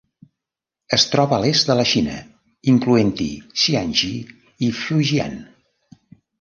Es troba a l'est de la Xina, incloent-hi Jiangxi i Fujian.